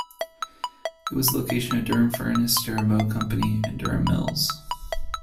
It was the location of Durham Furnace, Durham Boat Company and Durham Mills.